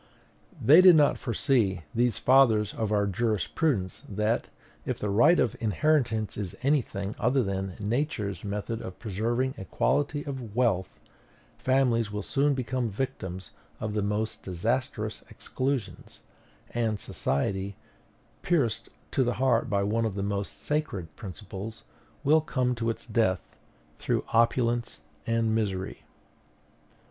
They did not foresee, these fathers of our jurisprudence, that, if the right of inheritance is any thing other than Nature's method of preserving equality of wealth, families will soon become victims of the most disastrous exclusions; and society, pierced to the heart by one of its most sacred principles, will come to its death through opulence and misery.